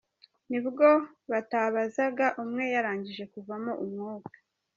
Nibwo batabazaga, umwe yarangije kuvamo umwuka.